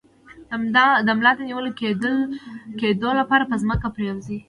د ملا د نیول کیدو لپاره په ځمکه پریوځئ